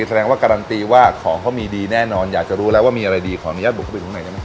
แสดงว่าการันตีว่าของเขามีดีแน่นอนอยากจะรู้แล้วว่ามีอะไรดีขออนุญาตบุกเข้าไปตรงไหนได้ไหม